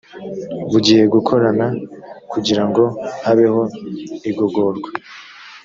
bugiye gukorana kugira ngo habeho igogorwa